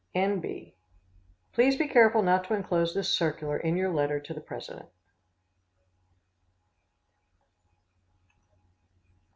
N.B. Please be careful not to inclose this circular in your letter to the president.